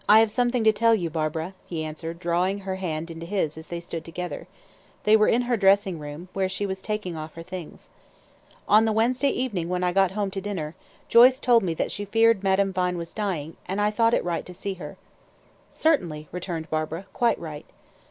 "I have something to tell you, Barbara," he answered, drawing her hand into his, as they stood together. They were in her dressing room, where she was taking off her things. "On the Wednesday evening when I got home to dinner Joyce told me that she feared Madame Vine was dying, and I thought it right to see her." "Certainly," returned Barbara. "Quite right."